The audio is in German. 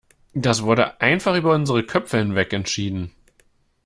Das wurde einfach über unsere Köpfe hinweg entschieden.